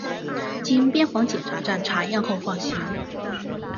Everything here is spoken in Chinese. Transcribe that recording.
经边防检查站查验后放行。